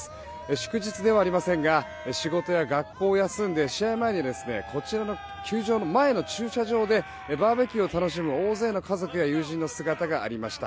祝日ではありませんが仕事や学校を休んで、試合前にこちらの球場の前の駐車場でバーベキューを楽しむ大勢の家族や友人の姿がありました。